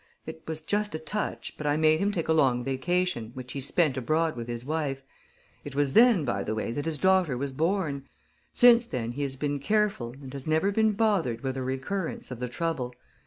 It was just a touch, but I made him take a long vacation, which he spent abroad with his wife. It was then, by the way, that his daughter was born. Since then he has been careful, and has never been bothered with a recurrence of the trouble.